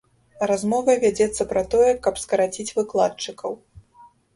Размова вядзецца пра тое, каб скараціць выкладчыкаў.